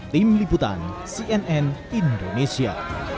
tim liputan cnn indonesia